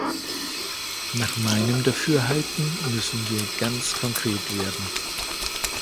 Nach meinem Dafürhalten müssen wir ganz konkret werden.